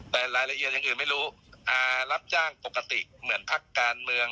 แต่รายละเอียดอย่างอื่นไม่รู้รับจ้างปกติเหมือนพักการเมือง